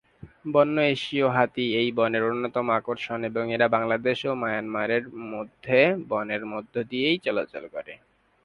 বন্য এশীয় হাতি এই বনের অন্যতম আকর্ষণ এবং এরা বাংলাদেশ ও মায়ানমারের মধ্যে বনের মধ্য দিয়েই চলাচল করে।